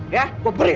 ya gue beri lu